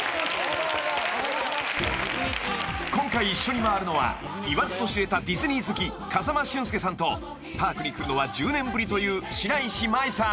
［今回一緒に回るのは言わずと知れたディズニー好き風間俊介さんとパークに来るのは１０年ぶりという白石麻衣さん］